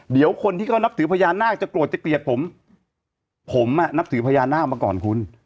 เดี๋ยวคนที่เขานับถือพญานาคจะโกรธจะเกลียดผมผมอ่ะนับถือพญานาคมาก่อนคุณ